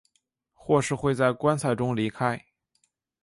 或是会在棺材中离开。